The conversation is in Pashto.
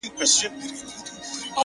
قاتل ژوندی دی’ مړ یې وجدان دی’